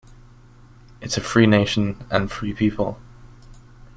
It is a free nation and free people.